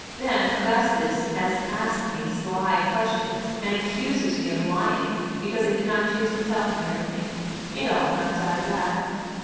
Then Augustus has asked me sly questions, and accuses me of lying because I did not choose to tell him everything. It all comes out of that."